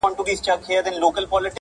هم دغسې پخوا وومه دا اوس چې سنګه یمه